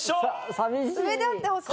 寂しい。